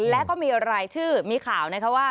และก็มีรายชื่อมีข่าวนะคะว่า